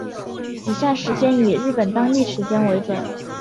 以下时间以日本当地时间为准